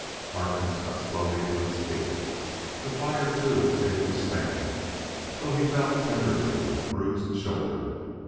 Harkness got slowly to his feet. The flyer, too, was able to stand, though he felt tenderly of a bruised shoulder.